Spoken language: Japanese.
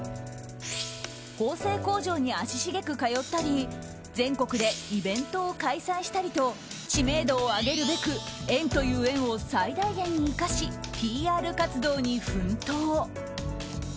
縫製工場に足しげく通ったり全国でイベントを開催したりと知名度を上げるべく縁という縁を最大限に生かしＰＲ活動に奮闘。